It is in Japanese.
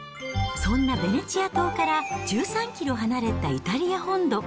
そんなヴェネツィア島から１３キロ離れたイタリア本島。